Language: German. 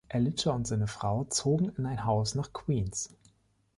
Elitcher und seine Frau zogen in ein Haus nach Queens.